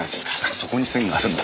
そこに線があるんだ。